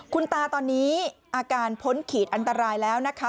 คุณตาตอนนี้อาการพ้นขีดอันตรายแล้วนะคะ